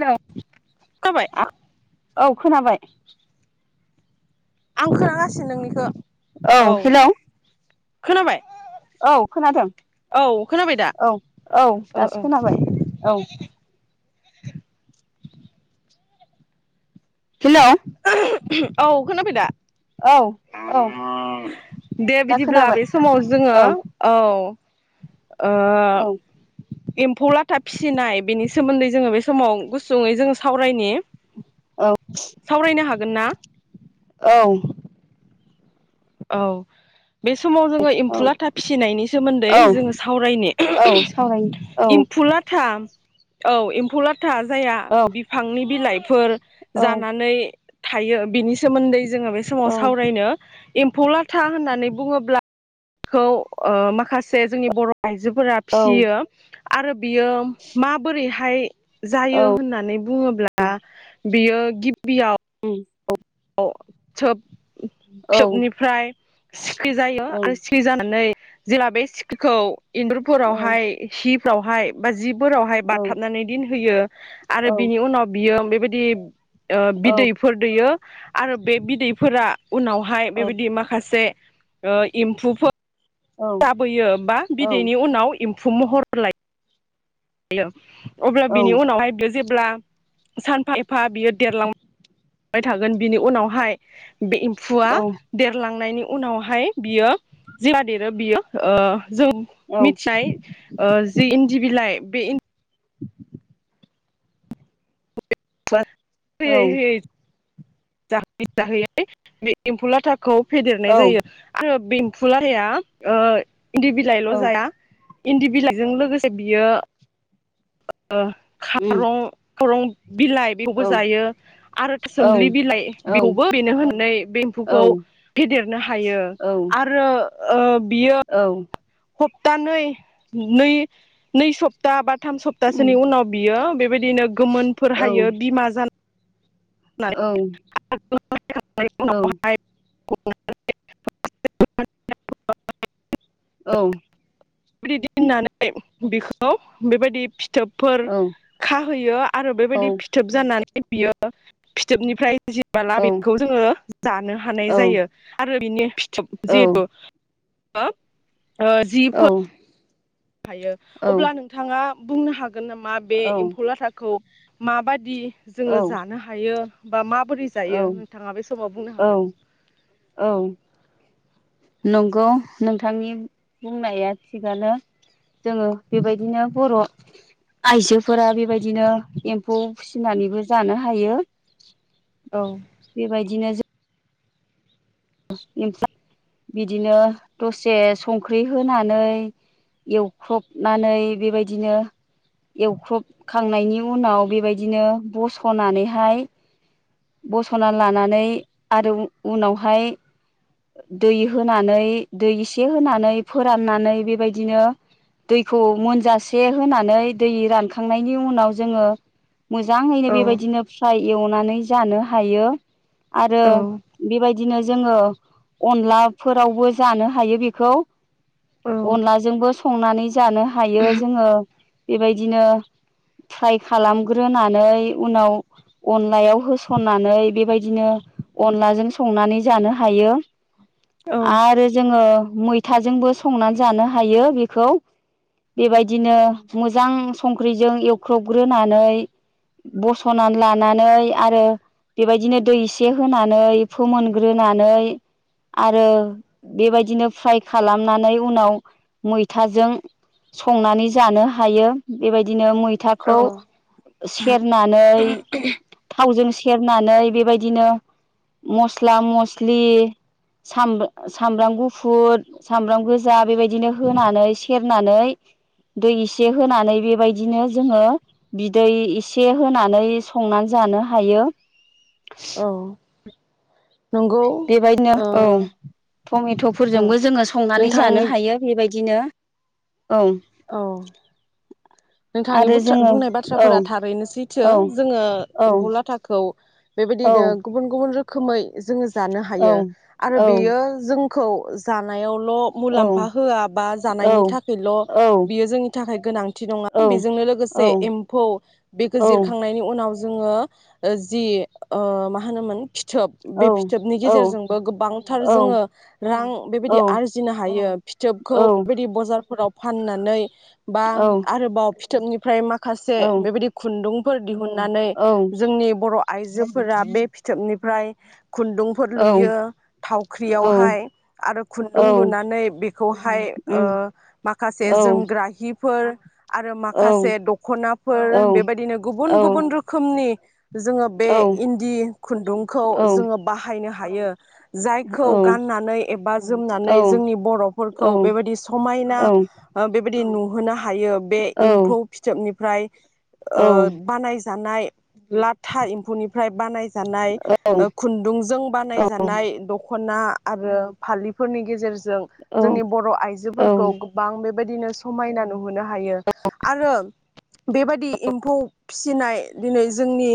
Hello खाबाय औ खोनाबाय आं खोनागासिनो नोंनिखो औ हेलौ खोनाबाय औ खोनादों औ खोनाबाय दा औ औ ओ दासो ओ खोनाबाय औ हेल' औ खोनाबाय दा औ औ दे दा बिदिब्ला खोनाबाय बे समाव जोङो औ औ एम्फौ लाथा फिसिनाय बेनि सोमोन्दै जोङो बे समाव गुसुङै जोङो सावरायनि औ सावरायनो हागोन ना औ औ बे समाव जोङो औ एमफु लाथा फिसिनायनि सोमोन्दै औ जोङो सावरायनो औ सावराय औ एमफु लाथा औ एमफौ लाथ था जाया औ बिफांनि बिलाइ फोर औ जानानै थायो बिनि सोमोन्दै जोङो बे औ समाव सावरायनो एम्फौ लाथा होननानै बुङोब्ला खौ माखासे जोंनि बर' आइजोफोरा औ फियो आरो बियो माबोरैहा हाय औ जायो होननानै बुङोब्ला बियो गिबियाव उम औ सोब औ फिथोबनिफ्राय सिख्रि जायो औ आरो सिखिरि जानानै जेला बे सिख्रिखौ इन्जुरफोरावहाय हिब फोरावहाय बा जिब फोरावहाय बाथाबनानै दिनहोयो आरो बिनि उनाव बियो बेबायदि ओ बिदैफोर दैयो आरो बे बिदैफोरा उनावहाय बेबायदि माखासे ओ एम्फौफोर जाबोयो बा बिदैनि उनाव एम्फौ महर लायो [unintelligible] अब्ला बिनि उनावहाय बि जेब्ला सानफा एफा बियो देरलां थागोन बिनि उनावहाय बे एम्फुआ देरलांनायनि उनावहाय बियो जेला देरो बियो ओ जों मिथिबाय ओ जि इन दि बिलाइ बे इन [inaudible] [unintelligible] होयै होयै जाहोयै जाहोयै बे एम्फु लाथा खौ फेदेरनाय जायो आरो बे एम्फु लाथाया ओ इन्दि बिलाइल' जाया इन्दि बिलाइजों लोगोसे बियो ओ खारं खरं बिलाइ बेखौबो जायो आरो था सोमलि बिलाइ बेखौबो बेनो होनानै बे एम्फौखौ फेदेरनो हायो आरो ओ औ सप्तानै नै नै सप्ता बाद थाम उम सप्तासोनि उनाव बियो बेबायदिनो औ गोमोनफोर हायो बिमा जाना औ औ [unintelligible] औ बेबायदि होननानै बिखौ बेबायदि फिथोबफोर खाहैयो आरो बेबायदि फिथोब जानानै बियो फिथोबनिफ्राय जेबोला बेखौ जोङो जानो हानाय जायो आरो बिनो जिहेथु हो अ जि फोर हायो अब्ला नोंथाङा बुंनो हागोन हागोन नामा बे एम्फौ लाथाखौ माबादि जोङो जानो हायो बा मा बोरै जायो औ नोंथाङा बे समाव बुंनो औ हागोन औ औ नंगौ नोंथांनि बुंनाया थिगानो जोङो बेबायदिनो बर' आइजोफोरा बेबायदिनो एम्फौ फिसिनानैबो जानो हायो औ बेबायदिनो जों बिदिनो दसे संख्रि होनानै एवख्रबनानै बेबायदिनो एवख्रबखांनायनि उनाव बेबायदिनो बस'नानैहाय बस'ना लानानै आरो उनावहाय दै होनानै दै एसे होनानै फोराननानै बेबायदिनो दैखौ मोनजासे होनानै दै रानखांनायनि उनाव जोङो मोजाङैनो बेबायदिनो फ्राय एवनानै जानो हायो आरो बेबायदि बिदिनो जोङो अनलाफोरावबो जानो हायो बेखौ अनलाजोंबो संनानै जानो हायो जोङो बेबायदिनो फ्राइ खालामग्रोनानै उनाव अनलायाव होसननानै बेबायदिनो अनलाजों संनानै जानो हायो औ आरो जोङो मैथाजोंबो संनानै जानो हायो बेखौ बेबायदिनो मोजां संख्रिजों एवख्रबग्रोनानै बस'नानै लानानै आरो बेबायदिनो दै एसे होनानै फोमोन ग्रोनानै आरो बेबायदिनो फ्राइ खालामनानै उनाव मैथाजों संनानै जानो हायो बेबायदिनो मैथाखौ सेरनानै थावजों सेरनानै बेबायदिनो मसला मस्ला मस्लि सामब सामब्राम गुफुर सामब्राम गोजा बेबायदिनो होनानै सेरनानै दै एसे होनानै बेबायदिनो जोङो बिदै एसे होनानै संनानै जानो हायो औ। नंगौ बेबायदिनो ओ औ टमेट'फोरजोंबो जोङो संनानै जानो नोंथांनि हायो बेबाय बिदिनो औ। औ। नोंथांनि आरो जोङो बुंनाय औ बाथ्राफोरा थारैनो सैथो औ जोङो औ एम्फौ लाथाखौ औ बेबायदिनो गुबुन गुबुन रोखोम रोखोमै जोङो जानो औ हायो आरो औ बेयो जों खौ जानाय ल' औ मुलामफा होआबा औ जानायनि थाखायल' बियो जोंनि थाखाय गोनांथि नङा बेजोंनो लोगोसे एम्फौ बेखौ औ जिरखांनायनि उनाव जोङो जि मा होनोमोन? फिथोब बे औ फिथोबनि औ गेजेरजोंबो औ गोबांथार जोङो रां बेबायदि आरजिनो हायो फिथोबखौ बेबायदि बजारफोराव फाननानै बा बाव फिथोबनिफ्राय मा माखासे औ बेबायदि खुन्दुं दिहुननानै जोंनि बर' आइजोफोरा बे फिथोबनि प्राय खुन्दुंफोर लुयो औ थावख्रियावहाय आरो औ खुन्दुं लुनानै बेखौहाय ओ उम माखासे औ जोमग्रा हि फोर आरो औ माखासे दखनाफोर औ बेबायदिनो गुबुन औ गुबुन रोखोमनि जोङो बे इन्दि खुन्दुंखौ जोङो बाहायनो हायो। हायो। जायखौ गाननानै एबा जोमनानै औ जोंनि बर'फोरखौ बेबायदि समायना ओ बे बायदि नु होनो हायो। बे एम्फौ फिथोबनि फ्राय ओ औ बानाय जानाय लाथा एम्फौनिफ्राय बानायजा जानाय खुन्दुंजों बानाय जानाय दख'ना आरो फालिफोरनि गेजेरजों जों जोंनि बर' आइजोफोरखौ औ गोबां बे बेबायदिनो समायना नुहोनो हायो आरो बेबायादि एम्फौ फिसिनाय दिनै जोंनि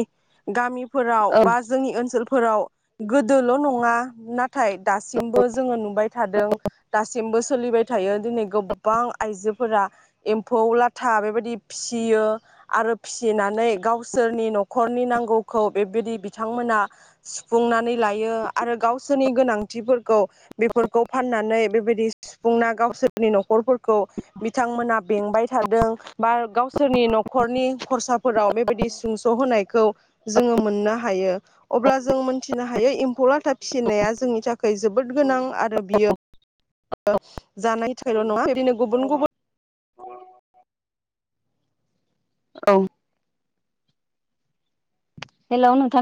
गामि फोराव बा औ जोंनि ओनसोलफोर फोराव गोदोल' नङा ना थाय दासिमबो जोङो नुबाय थादों दासिमबो सोलिबाय थायो दिनै गोबां आइजोफोरा एमफौ लाथा बेबायदि फिसियो आरो फिसिनानै गावसोरनि न'खरनि नांगौखौ बेबायदि बिथांमोना सुफुंनानै लायो आरो गावसोरनि गोनांथिफोरखौ बेफोरखौ फाननानै बेबायदि सुफुंना गावसोरनि न'खरफोरखौ बिथांमोना बेंबाय थादों बा गावसोरनि न'खरनि खरसाफोराव बेबायदि सुंस'होनायखौ जोङो मोननो हायो अब्ला जों मोेनथिनो हायो एम्फौ लाथा फिसिनाया जोंनि थाखाय खाय जोबोद गोनां आरो बियो जानायनि थाखायल' नङा बिदिनो गुबुन गुबुन औ हेलौ नोंथां